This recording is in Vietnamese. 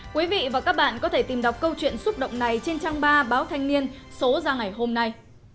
quý vị và các bạn có thể tìm đọc câu chuyện xúc động này trên trang ba báo thanh niên số ra ngày hôm nay